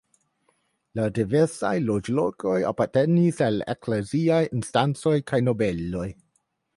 La diversaj loĝlokoj apartenis al ekleziaj instancoj kaj nobeloj.